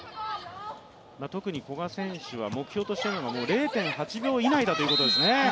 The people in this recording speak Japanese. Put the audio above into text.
特に古賀選手、目標にしているのが０．８秒以内ということですね。